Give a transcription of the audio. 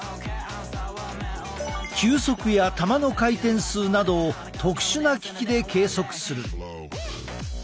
球速や球の回転数などを特殊な機器で計測する。